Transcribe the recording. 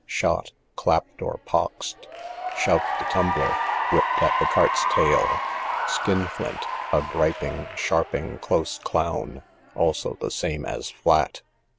Shot, clapped or poxed. Shove the tumbler, whipped at the cart's tail. Skin flint, a griping, sharping, close clown; also, the same as flat.